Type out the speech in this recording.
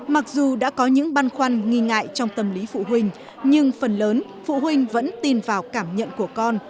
mặc dù đã có những băn khoăn nghi ngại trong tâm lý phụ huynh nhưng phần lớn phụ huynh vẫn tin vào cảm nhận của con